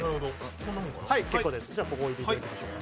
ここ置いていただきましょうか。